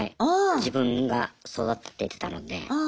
自分が育ててきたので。